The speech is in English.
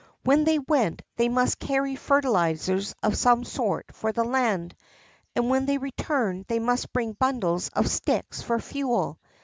When they went they must carry fertilizers of some sort for the land, and when they returned they must bring bundles of sticks for fuel.